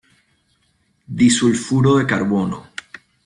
Disulfuro de carbono.